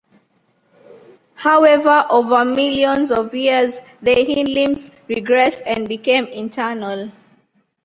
However over millions of years the hindlimbs regressed and became internal.